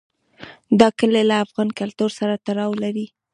دا کلي له افغان کلتور سره تړاو لري.